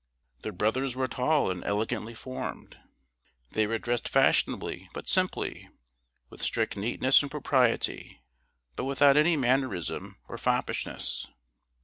Their brothers were tall, and elegantly formed. They were dressed fashionably, but simply with strict neatness and propriety, but without any mannerism or foppishness.